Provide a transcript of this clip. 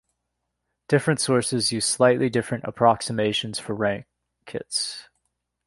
Different sources use slightly different approximations for rankits.